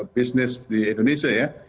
bisnis di indonesia ya